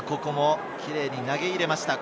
キレイに投げ入れました。